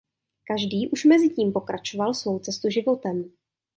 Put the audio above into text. Každý už mezitím pokračoval svou cestu životem.